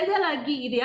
di sana harus ada biaya